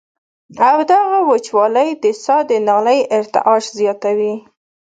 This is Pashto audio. او دغه وچوالی د ساه د نالۍ ارتعاش زياتوي